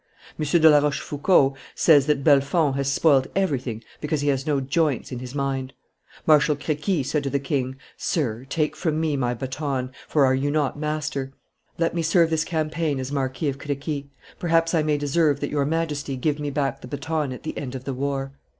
M. de la Rochefoucauld says that Bellefonds has spoilt everything because he has no joints in his mind. Marshal Crequi said to the king, 'Sir, take from me my baton, for are you not master? Let me serve this campaign as Marquis of Crequi; perhaps I may deserve that your Majesty give me back the baton at the end of the war.